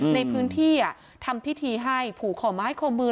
ในพื้นที่ทำพิธีให้ผูกขอไม้ขอมือ